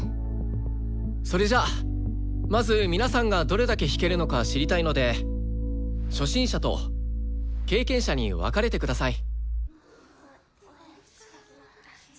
それじゃあまず皆さんがどれだけ弾けるのか知りたいので初心者と経験者に分かれてください。